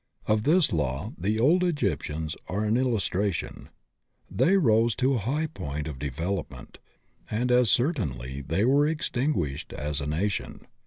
Of this law the old Egyptians are an illus tration. They certainly rose to a high point of de velopment, and as certainly they were extinguished as a nation.